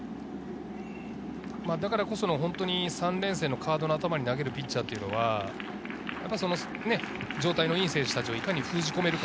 だからこその３連戦のカードの頭に投げるピッチャーは、状態のいい選手たちをいかに封じ込めるか。